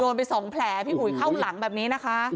ไปสองแผลพี่อุ๋ยเข้าหลังแบบนี้นะคะ